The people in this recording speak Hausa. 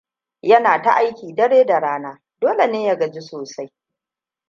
Yana ta aiki dare da rana, dole ne ya gaji sosai.